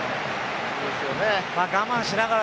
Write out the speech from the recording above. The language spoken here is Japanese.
我慢しながら。